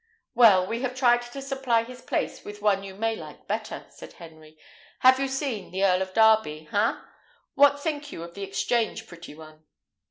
"Well, we have tried to supply his place with one you may like better," said Henry. "Have you seen the Earl of Darby ha? What think you of the exchange, pretty one?"